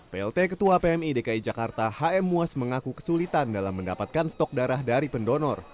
plt ketua pmi dki jakarta hm muas mengaku kesulitan dalam mendapatkan stok darah dari pendonor